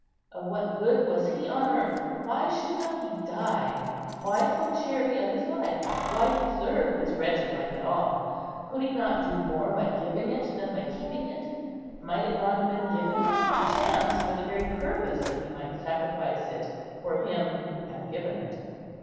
Of what good was he on earth; why should not he die? why so chary of his life? why preserve his wretched life at all? Could he not do more by giving it than by keeping it? Might it not have been given him perchance for the very purpose that he might sacrifice it for Him who had given it?